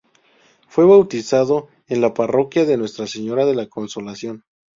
Fue bautizado en la parroquia de Nuestra Señora de la Consolación.